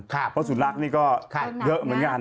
เพราะสุนัขนี่ก็เยอะเหมือนกัน